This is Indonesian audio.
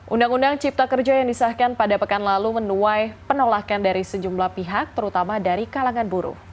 undang undang cipta kerja yang disahkan pada pekan lalu menuai penolakan dari sejumlah pihak terutama dari kalangan buruh